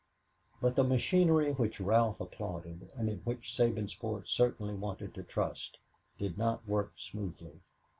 But the machinery which Ralph applauded, and in which Sabinsport certainly wanted to trust, did not work smoothly.